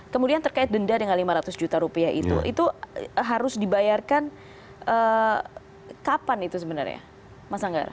kemudian terkait denda dengan lima ratus juta rupiah itu itu harus dibayarkan kapan itu sebenarnya mas anggar